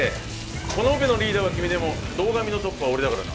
このオペのリーダーは君でも堂上のトップは俺だからな。